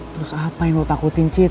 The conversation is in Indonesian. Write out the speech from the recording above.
terus apa yang lo takutin cit